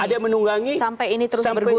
ada menunggangi sampai ini terus bergulir